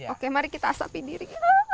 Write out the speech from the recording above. oke mari kita asapin diri